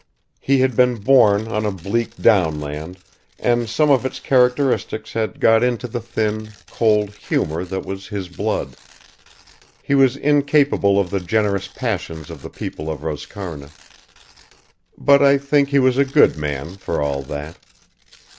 He had been born on a bleak downland, and some of its characteristics had got into the thin, cold humour that was his blood. He was incapable of the generous passions of the people of Roscarna; but I think he was a good man, for all that.